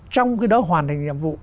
trong cái đó hoàn thành nhiệm vụ